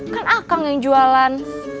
kan akang yang jualan